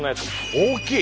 大きい。